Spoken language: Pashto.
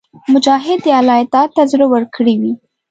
مجاهد د الله اطاعت ته زړه ورکړی وي.